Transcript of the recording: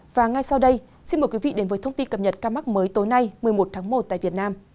và ngay sau đây xin mời quý vị đến với thông tin cập nhật ca mắc mới tối nay một mươi một tháng một tại việt nam